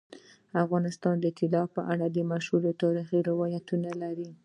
افغانستان د طلا په اړه مشهور تاریخی روایتونه لري.